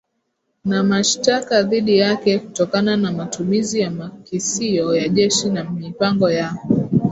na mashtaka dhidi yake kutokana na matumizi ya makisio ya jeshi na mipango ya